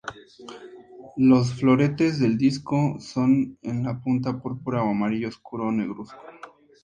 Los floretes del disco son en la punta púrpura o amarillo oscuro negruzco.